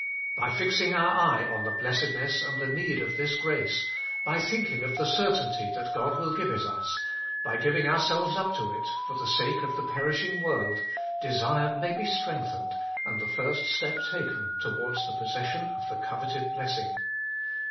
By fixing our eye on the blessedness and the need of this grace, by thinking of the certainty that God will give it us, by giving ourselves up to it, for the sake of the perishing world, desire may be strengthened, and the first step taken towards the possession of the coveted blessing.